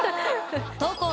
投稿！